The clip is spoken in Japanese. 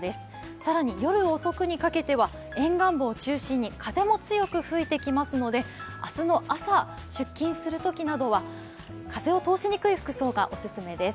更に夜遅くにかけては沿岸部を中心に風も強く吹いてきますので明日の朝出勤するときなどは風を通しにくい服装がオススメです。